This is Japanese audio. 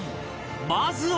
まずは